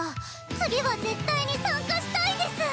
次は絶対に参加したいです」！